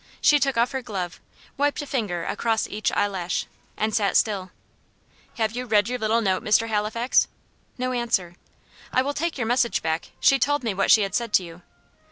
She took off her glove, wiped a finger across each eyelash, and sat still. "Have you read your little note, Mr. Halifax?" No answer. "I will take your message back. She told me what she had said to you."